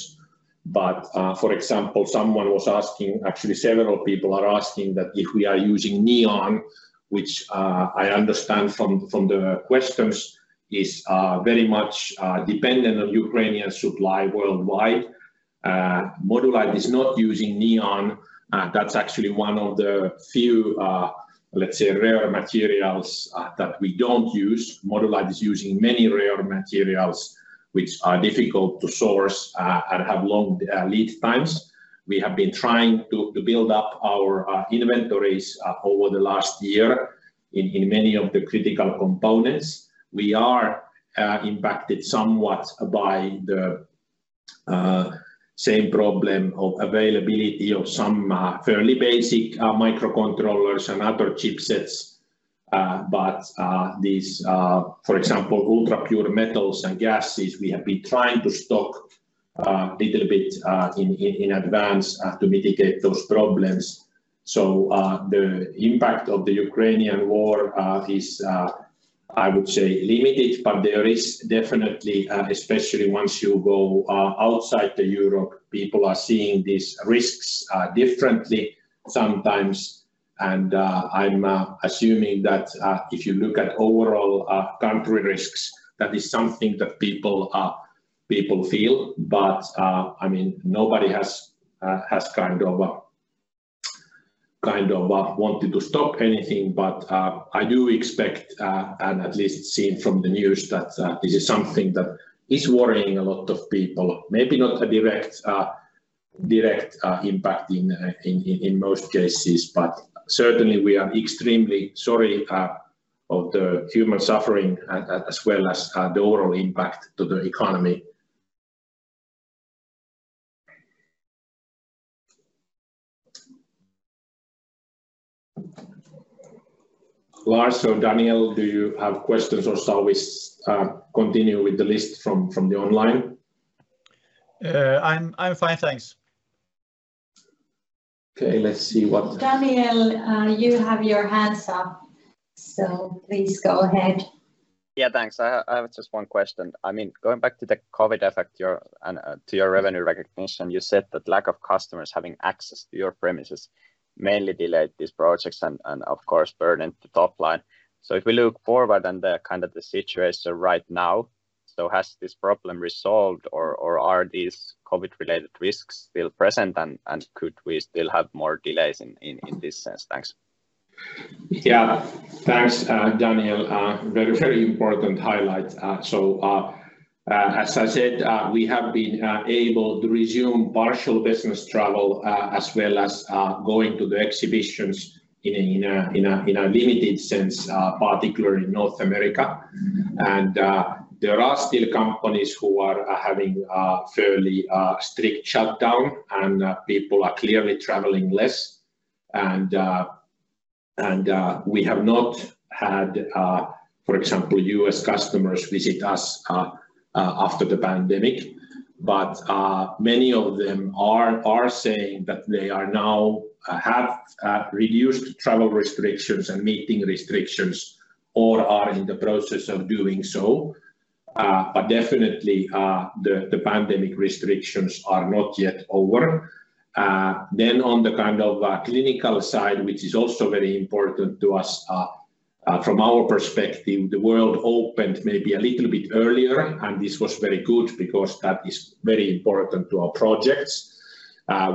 A: For example, someone was asking. Actually, several people are asking that if we are using neon, which I understand from the questions is very much dependent on Ukrainian supply worldwide. Modulight is not using neon. That's actually one of the few, let's say, rare materials that we don't use. Modulight is using many rare materials which are difficult to source and have long lead times. We have been trying to build up our inventories over the last year in many of the critical components. We are impacted somewhat by the same problem of availability of some fairly basic microcontrollers and other chipsets, but these, for example, ultra-pure metals and gases, we have been trying to stock little bit in advance to mitigate those problems. The impact of the Ukrainian war is, I would say, limited, but there is definitely especially once you go outside of Europe, people are seeing these risks differently sometimes. I'm assuming that if you look at overall country risks, that is something that people feel. I mean, nobody has kind of wanted to stop anything. I do expect, and at least seen from the news, that this is something that is worrying a lot of people. Maybe not a direct impact in most cases, but certainly we are extremely sorry for the human suffering as well as the overall impact to the economy. Lars or Daniel, do you have questions, or shall we continue with the list from the online?
D: I'm fine, thanks.
A: Okay. Let's see what.
C: Daniel, you have your hands up, so please go ahead.
E: Yeah, thanks. I have just one question. I mean, going back to the COVID effect, your and to your revenue recognition, you said that lack of customers having access to your premises mainly delayed these projects and of course burdened the top line. If we look forward and the kind of the situation right now, has this problem resolved or are these COVID-related risks still present and could we still have more delays in this sense? Thanks.
A: Yeah. Thanks, Daniel. Very important highlight. So, as I said, we have been able to resume partial business travel, as well as going to the exhibitions in a limited sense, particularly in North America. There are still companies who are having a fairly strict shutdown, and people are clearly traveling less. We have not had, for example, U.S. customers visit us after the pandemic. Many of them are saying that they now have reduced travel restrictions and meeting restrictions or are in the process of doing so. Definitely, the pandemic restrictions are not yet over. On the kind of clinical side, which is also very important to us, from our perspective, the world opened maybe a little bit earlier, and this was very good because that is very important to our projects.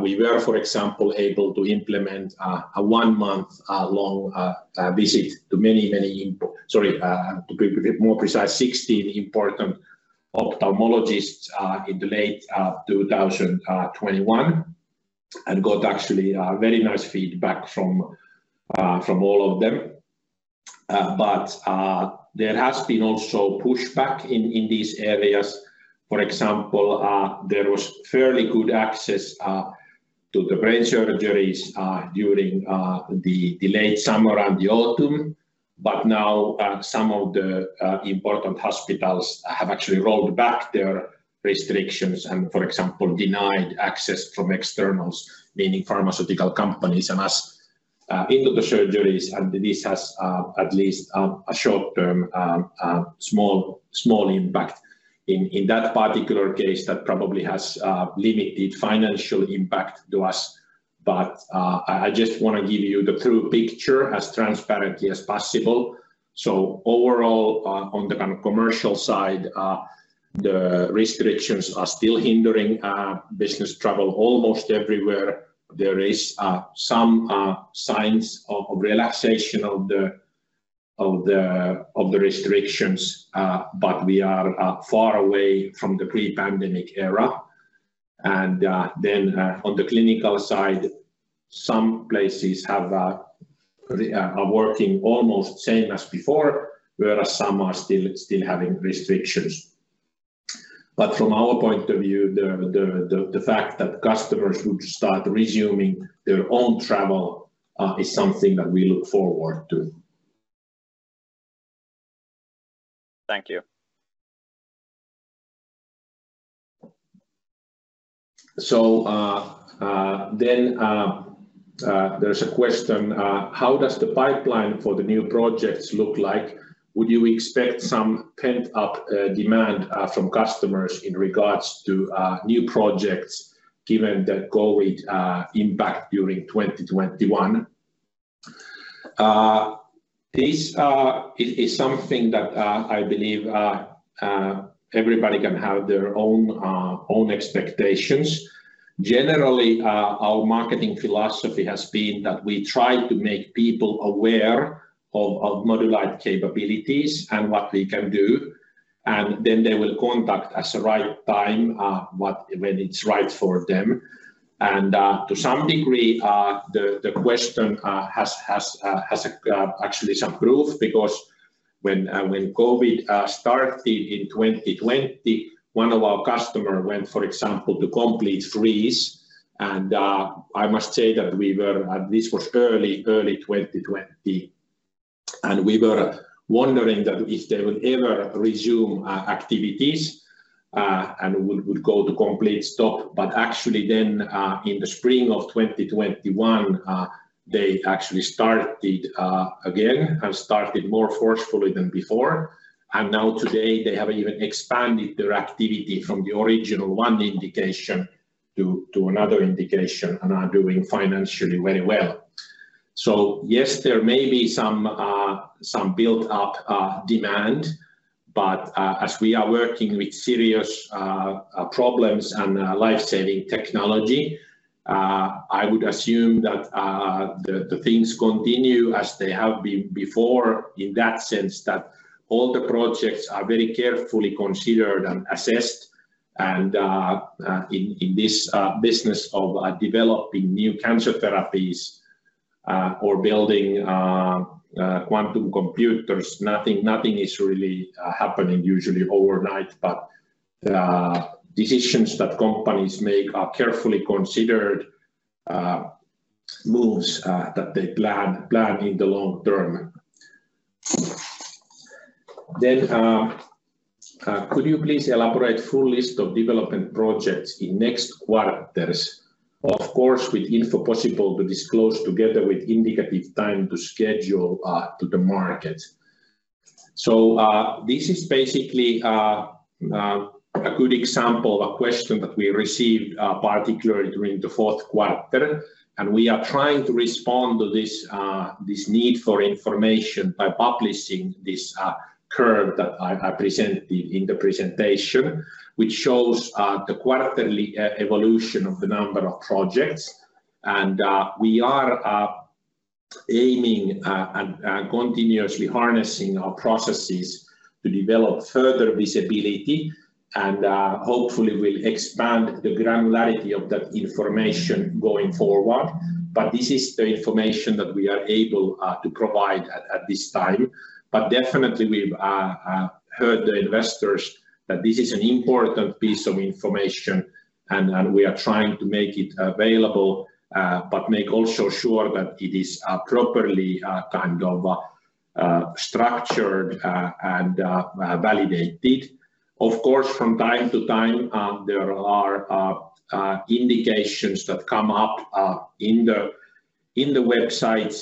A: We were, for example, able to implement a one-month long visit to be a bit more precise, 16 important ophthalmologists in late 2021, and got actually very nice feedback from all of them. There has been also pushback in these areas. For example, there was fairly good access to the brain surgeries during the late summer and the autumn. Now, some of the important hospitals have actually rolled back their restrictions and, for example, denied access from externals, meaning pharmaceutical companies and us, into the surgeries, and this has at least a short-term small impact in that particular case that probably has limited financial impact to us. I just wanna give you the true picture as transparently as possible. Overall, on the kind of commercial side, the restrictions are still hindering business travel almost everywhere. There is some signs of relaxation of the restrictions, but we are far away from the pre-pandemic era. On the clinical side, some places are working almost same as before, whereas some are still having restrictions. From our point of view, the fact that customers would start resuming their own travel is something that we look forward to.
E: Thank you.
A: There's a question: How does the pipeline for the new projects look like? Would you expect some pent-up demand from customers in regards to new projects given the COVID impact during 2021? This is something that I believe everybody can have their own expectations. Generally, our marketing philosophy has been that we try to make people aware of Modulight's capabilities and what we can do, and then they will contact us the right time when it's right for them. To some degree, the question has actually some proof because when COVID started in 2020, one of our customer went, for example, to complete freeze. I must say that this was early 2020, and we were wondering if they would ever resume activities and would go to a complete stop. Actually then, in the spring of 2021, they actually started again and started more forcefully than before. Now today they have even expanded their activity from the original one indication to another indication and are doing financially very well. Yes, there may be some built up demand, but as we are working with serious problems and life-saving technology, I would assume that the things continue as they have before in that sense that all the projects are very carefully considered and assessed. In this business of developing new cancer therapies or building quantum computers, nothing is really happening usually overnight. Decisions that companies make are carefully considered moves that they plan in the long term. Could you please elaborate full list of development projects in next quarters? Of course, with info possible to disclose together with indicative time to schedule to the market. This is basically a good example of a question that we received particularly during the fourth quarter, and we are trying to respond to this need for information by publishing this curve that I presented in the presentation, which shows the quarterly evolution of the number of projects. We are aiming and continuously harnessing our processes to develop further visibility and hopefully will expand the granularity of that information going forward. This is the information that we are able to provide at this time. We definitely have heard from the investors that this is an important piece of information and we are trying to make it available, but make also sure that it is properly kind of structured and validated. Of course, from time to time, there are indications that come up in the websites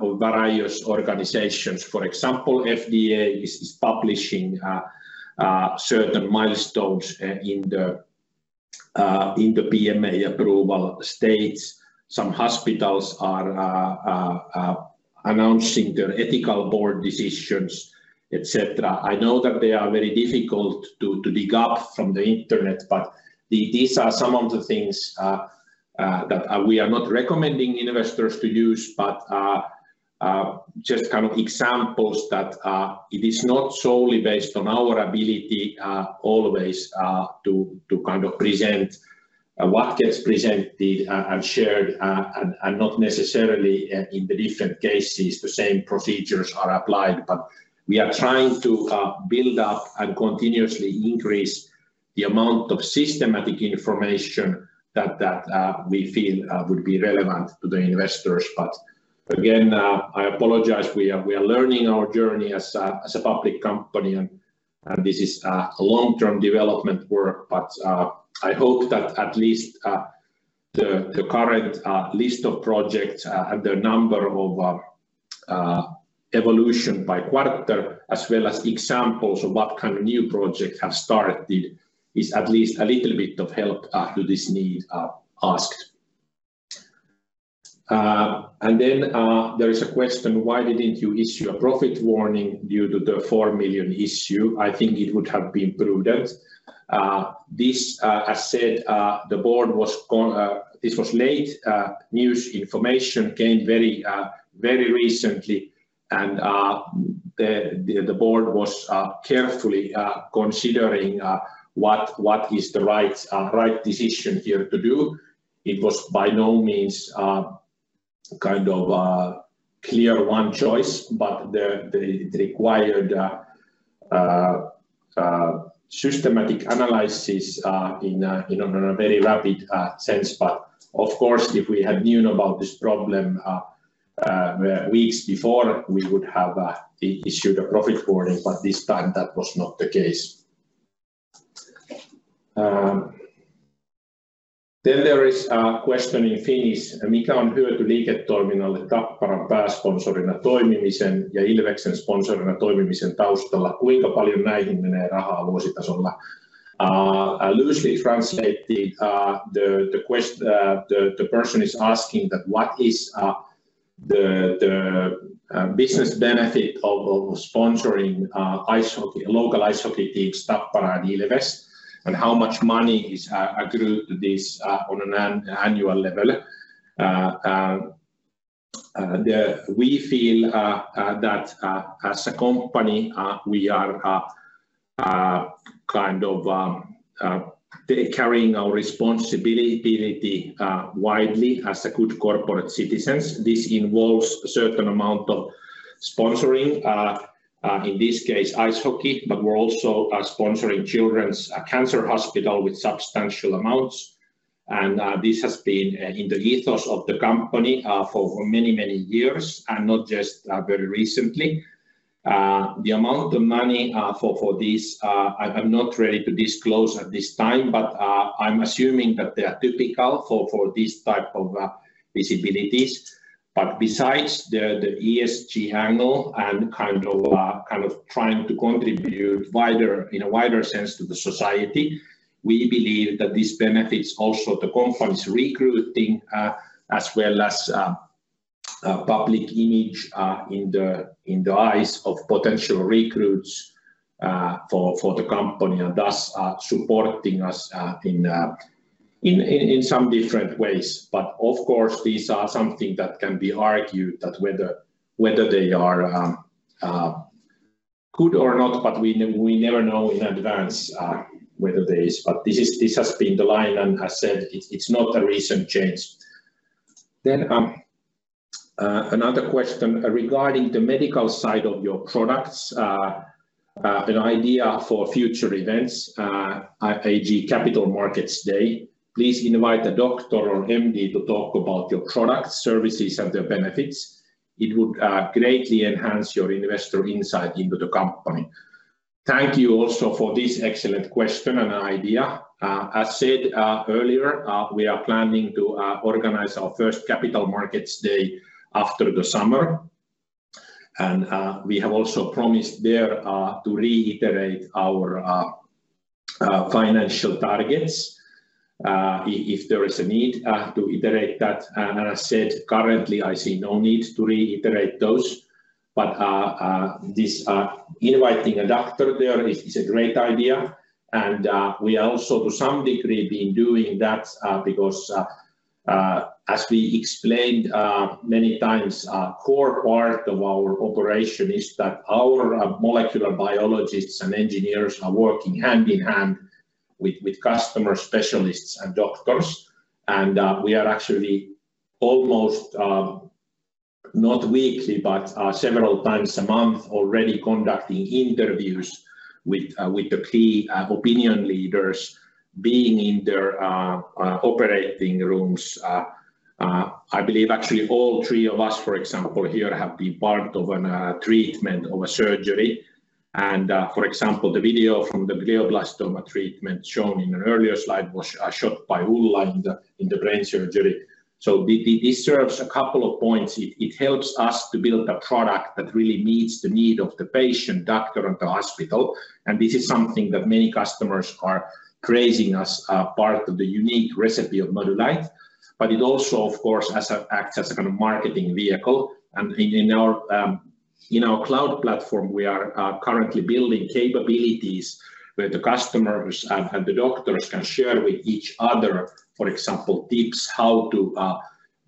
A: of various organizations. For example, FDA is publishing certain milestones in the PMA approval stages. Some hospitals are announcing their ethics board decisions, etc. I know that they are very difficult to dig up from the internet, but these are some of the things that we are not recommending investors to use. Just kind of examples that it is not solely based on our ability always to kind of present what gets presented and shared, and not necessarily in the different cases the same procedures are applied. We are trying to build up and continuously increase the amount of systematic information that we feel would be relevant to the investors. Again, I apologize. We are learning our journey as a public company and this is long-term development work, but I hope that at least the current list of projects and the number of evolution by quarter, as well as examples of what kind of new projects have started, is at least a little bit of help to this need asked. There is a question: Why didn't you issue a profit warning due to the 4 million issue? I think it would have been prudent. This, as said, the board was—this was late, news information came very recently. The board was carefully considering what is the right decision here to do. It was by no means kind of clear one choice, but it required systematic analysis in a very rapid sense. Of course, if we had known about this problem weeks before, we would have issued a profit warning, but this time that was not the case. There is a question in Finnish. Loosely translated, the person is asking what is the business benefit of sponsoring local ice hockey teams Tappara and Ilves, and how much money is accrued to this on an annual level. We feel that as a company we are kind of carrying our responsibility widely as good corporate citizens. This involves a certain amount of sponsoring in this case ice hockey, but we're also sponsoring children's cancer hospital with substantial amounts. This has been in the ethos of the company for many years, and not just very recently. The amount of money for this, I'm not ready to disclose at this time, but I'm assuming that they are typical for this type of visibilities. Besides the ESG angle and kind of trying to contribute in a wider sense to the society, we believe that this benefits also the company's recruiting, as well as public image in the eyes of potential recruits for the company, and thus supporting us in some different ways. Of course, these are something that can be argued that whether they are good or not, but we never know in advance whether there is. This is. This has been the line, and as said, it's not a recent change. Another question regarding the medical side of your products. "An idea for future events, i.e. Capital Markets Day, please invite a doctor or MD to talk about your products, services and their benefits. It would greatly enhance your investor insight into the company." Thank you also for this excellent question and idea. As said earlier, we are planning to organize our first Capital Markets Day after the summer. We have also promised there to reiterate our financial targets, if there is a need, to iterate that. As said, currently, I see no need to reiterate those. This inviting a doctor there is a great idea. We also to some degree been doing that, because, as we explained, many times, a core part of our operation is that our molecular biologists and engineers are working hand-in-hand with customer specialists and doctors. We are actually almost not weekly, but several times a month already conducting interviews with the key opinion leaders, being in their operating rooms. I believe actually all three of us, for example, here have been part of a treatment of a surgery. For example, the video from the glioblastoma treatment shown in an earlier slide was shot by Ulla in the brain surgery. This serves a couple of points. It helps us to build a product that really meets the need of the patient, doctor and the hospital, and this is something that many customers are praising us, part of the unique recipe of Modulight. It also, of course, acts as a kind of marketing vehicle. In our cloud platform, we are currently building capabilities where the customers and the doctors can share with each other, for example, tips how to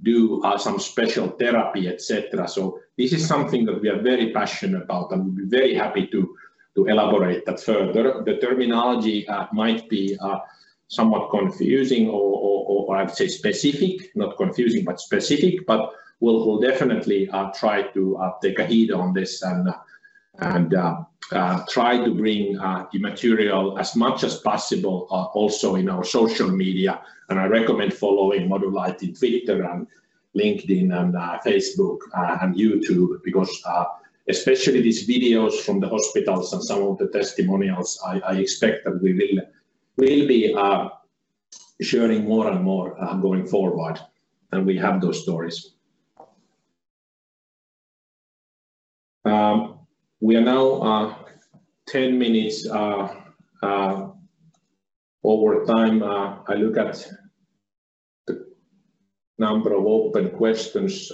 A: do some special therapy, etc. This is something that we are very passionate about and we're very happy to elaborate that further. The terminology might be somewhat confusing or I would say specific, not confusing, but specific. We'll definitely try to take a heed on this and try to bring the material as much as possible also in our social media. I recommend following Modulight on Twitter and LinkedIn and Facebook and YouTube because especially these videos from the hospitals and some of the testimonials, I expect that we will be sharing more and more going forward, and we have those stories. We are now 10 minutes over time. I look at the number of open questions.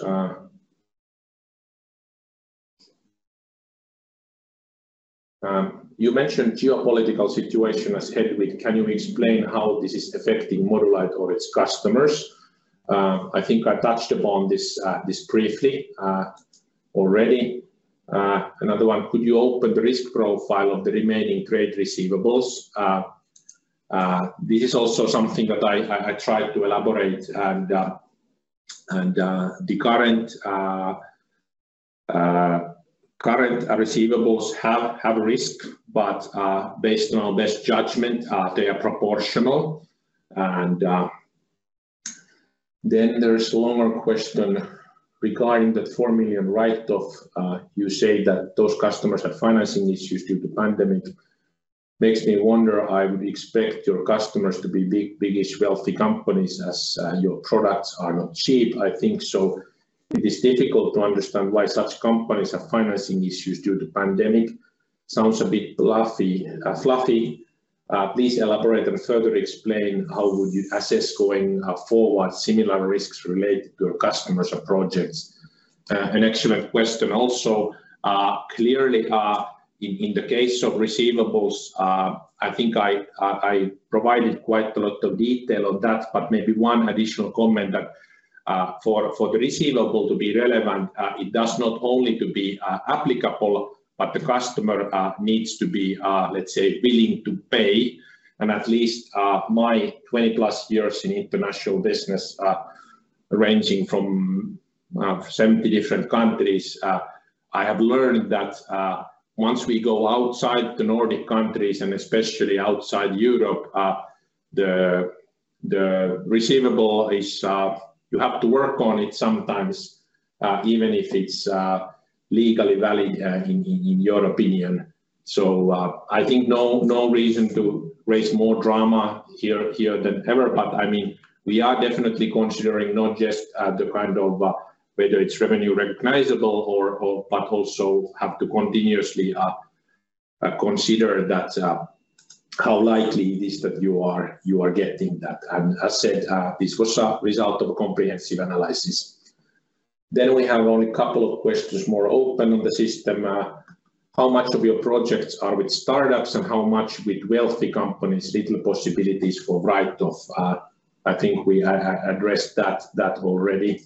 A: You mentioned geopolitical situation as headwind. Can you explain how this is affecting Modulight or its customers? I think I touched upon this briefly already. Another one, could you open the risk profile of the remaining trade receivables? This is also something that I tried to elaborate, and the current receivables have risk, but based on our best judgment, they are proportional. Then there's a longer question regarding the 4 million write-off. You say that those customers have financing issues due to pandemic. Makes me wonder, I would expect your customers to be biggest wealthy companies as your products are not cheap, I think. It is difficult to understand why such companies have financing issues due to pandemic. Sounds a bit fluffy. Please elaborate and further explain how would you assess going forward similar risks related to your customers or projects. An excellent question also. Clearly, in the case of receivables, I think I provided quite a lot of detail on that, but maybe one additional comment that, for the receivable to be relevant, it does not only to be applicable, but the customer needs to be, let's say, willing to pay. At least, my 20+ years in international business, ranging from 70 different countries, I have learned that, once we go outside the Nordic countries, and especially outside Europe, the receivable is you have to work on it sometimes, even if it's legally valid, in your opinion. I think no reason to raise more drama here than ever, but I mean, we are definitely considering not just the kind of whether it's revenue recognizable or but also have to continuously consider that how likely it is that you are getting that. As said, this was a result of comprehensive analysis. We have only a couple of questions more open on the system. How much of your projects are with startups and how much with wealthy companies, little possibilities for write-off? I think we addressed that already.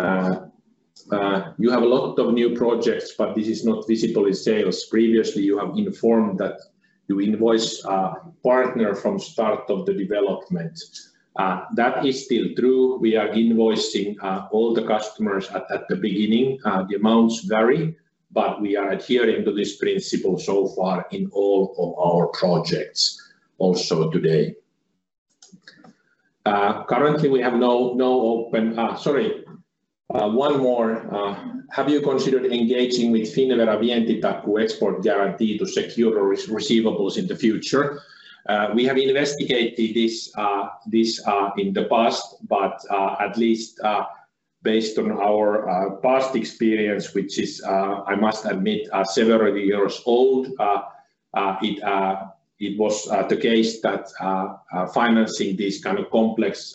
A: You have a lot of new projects, but this is not visible in sales. Previously, you have informed that you invoice partner from start of the development. That is still true. We are invoicing all the customers at the beginning. The amounts vary, but we are adhering to this principle so far in all of our projects also today. Sorry, one more. Have you considered engaging with Finnvera Vientitakuu export guarantee to secure receivables in the future? We have investigated this in the past, but at least based on our past experience, which is, I must admit, several years old, it was the case that financing these kind of complex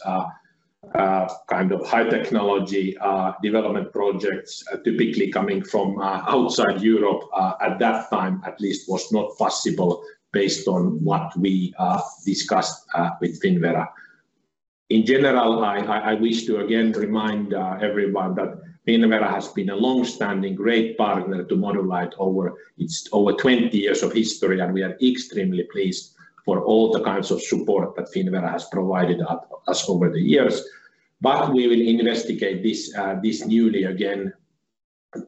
A: kind of high technology development projects, typically coming from outside Europe, at that time at least was not possible based on what we discussed with Finnvera. In general, I wish to again remind everyone that Finnvera has been a long-standing great partner to Modulight over its 20 years of history, and we are extremely pleased for all the kinds of support that Finnvera has provided us over the years. We will investigate this newly again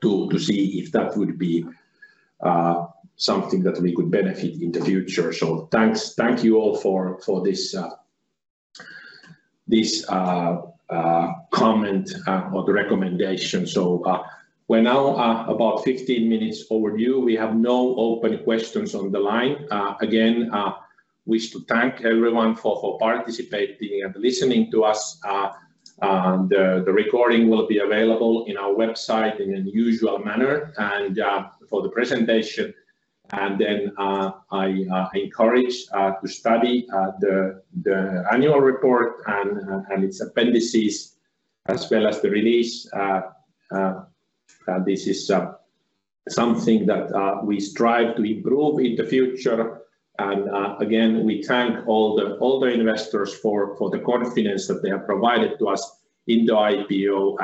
A: to see if that would be something that we could benefit in the future. Thanks. Thank you all for this comment or the recommendation. We're now about 15 minutes overdue. We have no open questions on the line. Again, wish to thank everyone for participating and listening to us. The recording will be available in our website in the usual manner, and for the presentation. I encourage you to study the annual report and its appendices as well as the release. This is something that we strive to improve in the future. Again, we thank all the investors for the confidence that they have provided to us in the IPO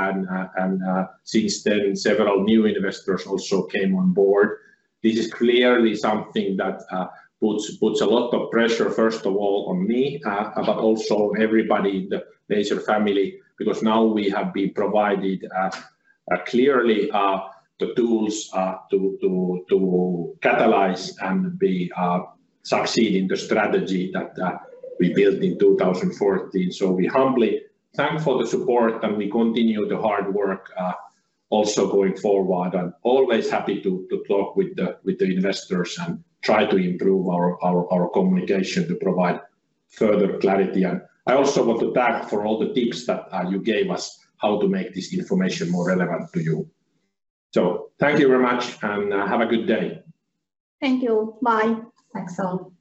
A: and since then, several new investors also came on board. This is clearly something that puts a lot of pressure first of all on me, but also everybody in the laser family, because now we have been provided clearly the tools to catalyze and succeed in the strategy that we built in 2014. We humbly thank you for the support, and we continue the hard work also going forward. I'm always happy to talk with the investors and try to improve our communication to provide further clarity. I also want to thank for all the tips that you gave us how to make this information more relevant to you. Thank you very much, and have a good day.
B: Thank you. Bye.
A: Thanks all.